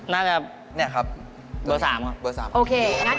น่าจะคำนวจแทน๐๖